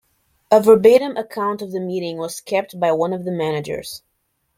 A verbatim account of the meeting was kept by one of the managers.